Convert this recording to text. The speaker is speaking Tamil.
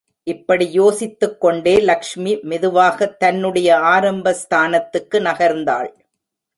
இப்படி யோசித்துக்கொண்டே லக்ஷ்மி மெதுவாகத் தன்னுடைய ஆரம்ப ஸ்தானத்துக்கு நகர்ந்தாள்.